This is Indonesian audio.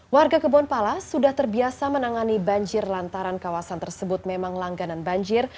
warga kebonpala sudah terbiasa menangani banjir lantaran kawasan tersebut memang langganan banjir